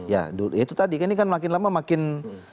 ya itu tadi kan ini kan makin lama makin